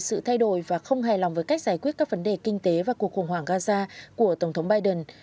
sự thay đổi và không hài lòng với cách giải quyết các vấn đề kinh tế và cuộc khủng hoảng gaza của tổng thống biden